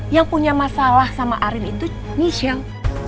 yang punya masalah sama arim itu michelle